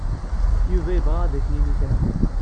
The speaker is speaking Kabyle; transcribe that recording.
Yuba yebɣa ad ak-yini kra.